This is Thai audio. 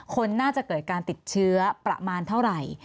คนน่าจะเกิดการติดเชื้อประมาณเท่าไหร่